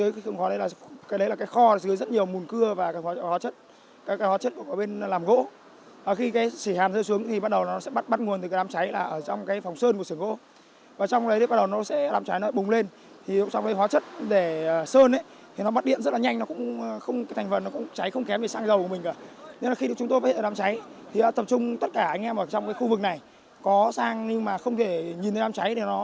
khi chúng tôi phát hiện đám cháy tập trung tất cả anh em ở trong khu vực này có sang nhưng không thể nhìn thấy đám cháy